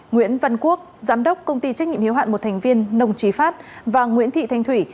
nguyễn văn quốc giám đốc công ty trách nhiệm hiếu hạn một thành viên nông trí phát và nguyễn thị thanh thủy